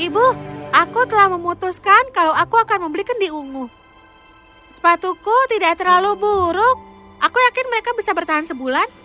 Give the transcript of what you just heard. ibu aku telah memutuskan kalau aku akan membeli kendi ungu sepatuku tidak terlalu buruk aku yakin mereka bisa bertahan sebulan